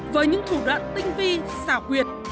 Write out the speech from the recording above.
với những thủ đoạn tinh vi xảo quyệt